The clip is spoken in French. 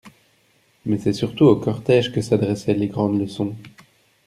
Mais c'est surtout au cortége que s'adressaient les grandes leçons.